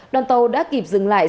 đoàn tàu đã kịp dừng lại